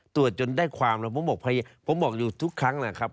ตรวจจนได้ความผมบอกอยู่ทุกครั้งนะครับ